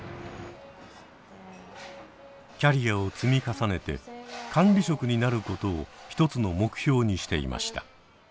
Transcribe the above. キャリアを積み重ねて管理職になることを一つの目標にしていました。